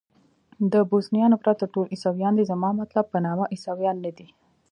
د بوسنیایانو پرته ټول عیسویان دي، زما مطلب په نامه عیسویان نه دي.